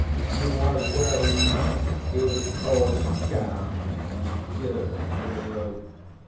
He was wearing his coarse gown girt with a rope.